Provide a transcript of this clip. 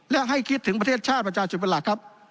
และให้คิดถึงประเทศชาติประชาชนเป็นหลักครับ